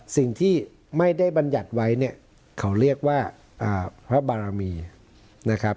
สิ่งที่ไม่ได้บรรยัติไว้เนี่ยเขาเรียกว่าพระบารมีนะครับ